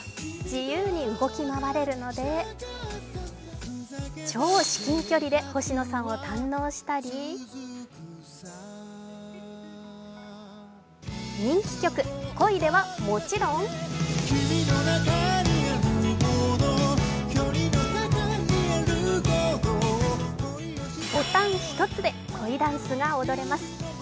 自由に動き回れるので超至近距離で星野さんを堪能したり人気曲「恋」ではもちろんボタン１つで恋ダンスが踊れます。